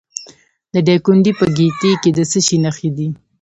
د دایکنډي په ګیتي کې د څه شي نښې دي؟